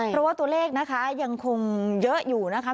เพราะว่าตัวเลขนะคะยังคงเยอะอยู่นะคะ